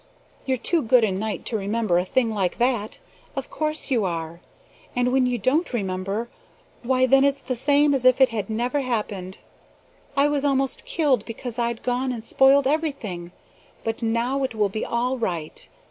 You're too good a knight to remember a thing like that. Of course you are! And when you don't remember, why, then it's the same as if it never happened. I was almost killed because I'd gone and spoiled everything, but now it will be all right.